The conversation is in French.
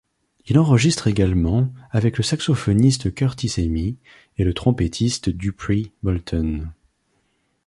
Il enregistre également avec le saxophoniste Curtis Amy et le trompettiste Dupree Bolton.